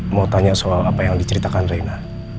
mau tanya soal apa yang diceritakan reina